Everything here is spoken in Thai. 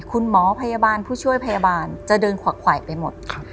คุณหมอพยาบาลผู้ช่วยพยาบาลจะเดินขวักไขวะไปหมด